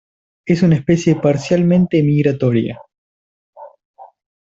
Es una especie parcialmente migratoria.